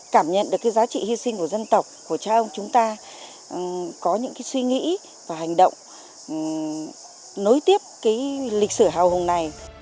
cảm nhận được cái giá trị hy sinh của dân tộc của cha ông chúng ta có những cái suy nghĩ và hành động nối tiếp cái lịch sử hào hùng này